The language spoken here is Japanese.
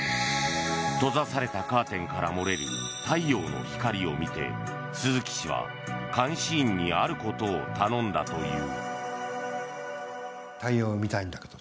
閉ざされたカーテンから漏れる太陽の光を見て鈴木氏は、監視員にあることを頼んだという。